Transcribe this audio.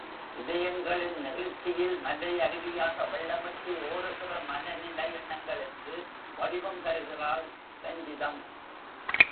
இதயங்களின் நெகிழ்ச்சியில் மலையருவியாக வெள்ளமிட்டு ஓடுகிற மனைநிலை எண்ணங்களுக்கு வடிவம் தருகிறாள் ரஞ்சிதம்.